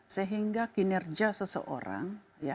sehingga kinerja seseorang